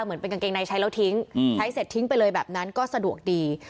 เหมือนเป็นกางเกงในใช้แล้วทิ้งใช้เสร็จทิ้งไปเลยแบบนั้นก็สะดวกดี